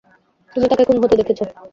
তুমি তাকে খুন হতে দেখেছ।